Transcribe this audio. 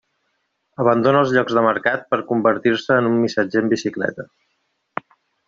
Abandona els llocs de mercat per convertir-se en un missatger amb bicicleta.